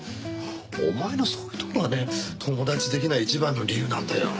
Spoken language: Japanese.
お前のそういうとこがね友達できない一番の理由なんだよな。